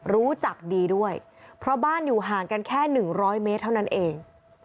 รู้จักดีด้วยเพราะบ้านอยู่ห่างกันแค่๑๐๐เมตรเท่านั้นเอง